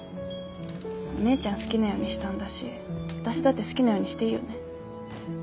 お姉ちゃん好きなようにしたんだし私だって好きなようにしていいよね？